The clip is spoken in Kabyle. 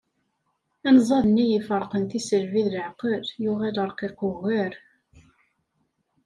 Anzaḍ-nni iferqen tisselbi d leεqel yuɣal yerqiq ugar.